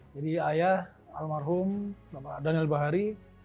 ayah almarhum bapak daniel bahari